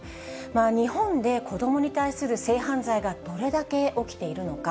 日本で子どもに対する性犯罪がどれだけ起きているのか。